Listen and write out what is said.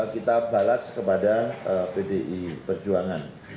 kita balas kepada pdi perjuangan